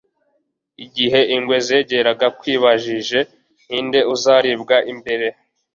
igihe ingwe zegeraga, twibajije ninde uzaribwa mbere